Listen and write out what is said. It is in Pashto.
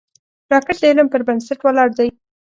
راکټ د علم پر بنسټ ولاړ دی